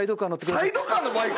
サイドカーのバイク！？